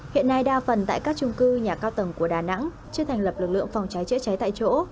hiện nay đa phần tại các trung cư nhà cao tầng của đà nẵng chưa thành lập lực lượng phòng cháy chữa cháy tại chỗ